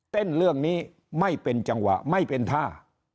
เรื่องนี้ไม่เป็นจังหวะไม่เป็นท่า